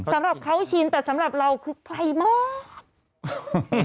สำหรับเขาชินแต่สำหรับเราคือไกลมาก